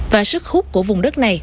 và sức hút của vùng đất này